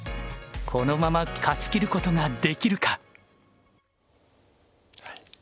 このまま勝ちきることができるか⁉はい。